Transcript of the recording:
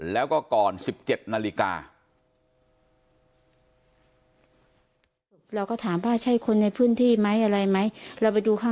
แล้วก็ก่อน๑๗นาฬิกา